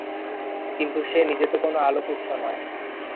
কিন্তু সে নিজে তো কোনো আলোক উৎস নয়।